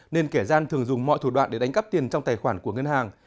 nên kẻ gian thường dùng mọi thủ đoạn để đánh cắp tiền trong tài khoản của ngân hàng